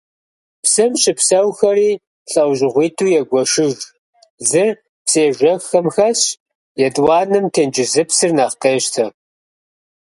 Псым щыпсэухэри лӏэужьыгъуитӏу егуэшыж: зыр псыежэххэм хэсщ, етӏуанэм тенджызыпсыр нэхъ къещтэ.